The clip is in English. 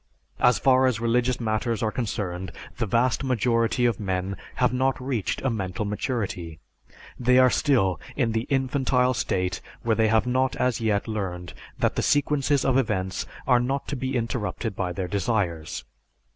As far as religious matters are concerned, the vast majority of men have not reached a mental maturity; they are still in the infantile state where they have not as yet learned that the sequences of events are not to be interrupted by their desires.